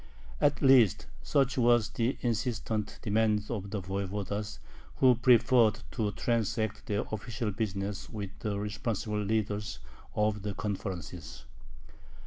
At least such was the insistent demand of the voyevodas, who preferred to transact their official business with the responsible leaders of the conferences.